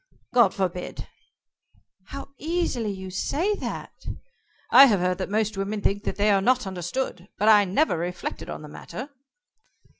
"God forbid!" "How easily you say that!" "I have heard that most women think they are not understood, but I never reflected on the matter."